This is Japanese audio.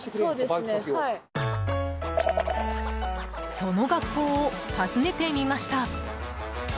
その学校を訪ねてみました。